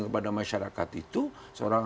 kepada masyarakat itu seorang